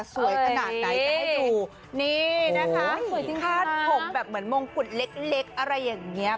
สวยขนาดไหนจะให้ดูนี่นะคะสวยจริงค่ะแบบเหมือนมงกุ่นเล็กเล็กอะไรอย่างเงี้ย